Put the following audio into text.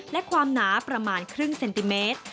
และความหนาประมาณครึ่งเซนติเมตร